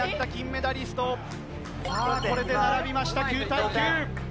さあこれで並びました９対９。